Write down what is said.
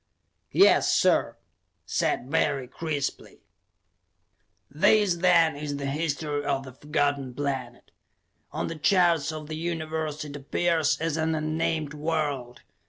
"Yes, sir!" said Barry crisply. This, then, is the history of the Forgotten Planet. On the charts of the Universe it appears as an unnamed world.